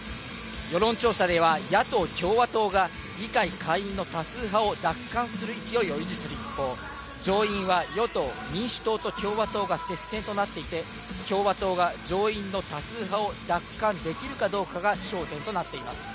世論調査では野党・共和党が議会下院の多数派を奪還する勢いを維持する一方、上院は与党・民主党と共和党が接戦となっていて、共和党が上院の多数派を奪還できるかどうかが焦点となっています。